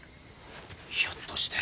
ひょっとして。